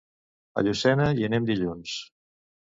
A Llucena hi anem dilluns.